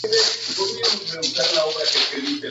Los adultos emergen en el verano.